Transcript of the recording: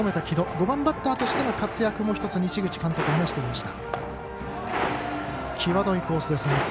５番バッターとしての活躍も１つ西口監督話していました。